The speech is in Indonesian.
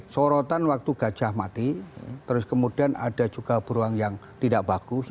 sorotan waktu gajah mati terus kemudian ada juga beruang yang tidak bagus